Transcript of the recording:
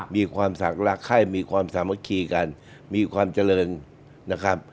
มีความศักดิ์รักไข้มีความสามัคคีกันมีความเจริญนะครับ